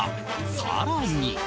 更に。